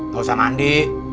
tau sama andi